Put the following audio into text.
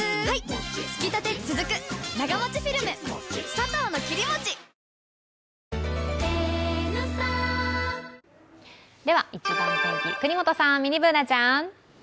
ニトリ「イチバン天気」、國本さん、ミニＢｏｏｎａちゃん。